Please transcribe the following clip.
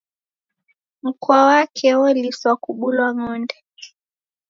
Mkwa wake woliswa kubulwa ngonde.